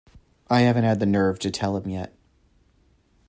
I haven't had the nerve to tell him yet.